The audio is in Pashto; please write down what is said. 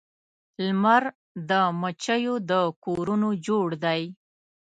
لمر د مچېو د کورونو جوړ دی